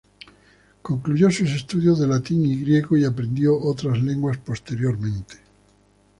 Concluyó sus estudios de latín y griego y aprendió otras lenguas posteriormente.